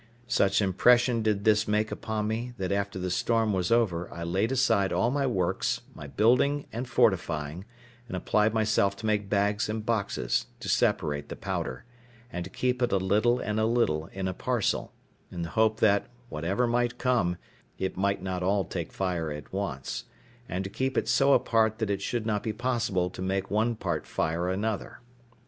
Such impression did this make upon me, that after the storm was over I laid aside all my works, my building and fortifying, and applied myself to make bags and boxes, to separate the powder, and to keep it a little and a little in a parcel, in the hope that, whatever might come, it might not all take fire at once; and to keep it so apart that it should not be possible to make one part fire another.